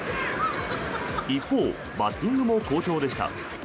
一方バッティングも好調でした。